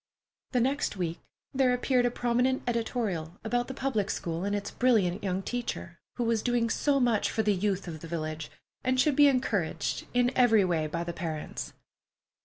The next week there appeared a prominent editorial about the public school and its brilliant young teacher, who was doing so much for the youth of the village, and should be encouraged in every way by the parents.